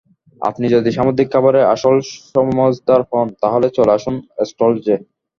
আপনি যদি সামুদ্রিক খাবারের আসল সমঝদার হন, তাহলে চলে আসুন সল্টজে।